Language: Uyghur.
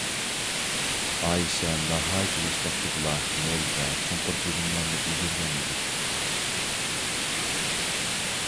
ئائىشە ناھايىتى ياش ۋاقتىدىلا مول ۋە چوڭقۇر بىلىملەرنى ئىگىلىگەن ئىدى.